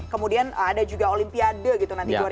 kemudian ada juga olimpiade gitu nanti